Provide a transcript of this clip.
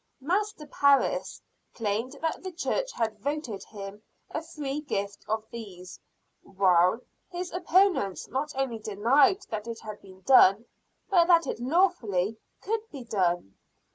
Master Parris claimed that the church had voted him a free gift of these; while his opponents not only denied that it had been done, but that it lawfully could be done.